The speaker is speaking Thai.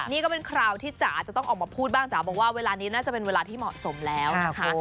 นี่ก็เป็นคราวที่จ๋าจะต้องออกมาพูดบ้างจ๋าบอกว่าเวลานี้น่าจะเป็นเวลาที่เหมาะสมแล้วนะคะ